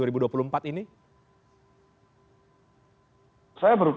saya berpikir pak jokowi pasti akan tetap berusaha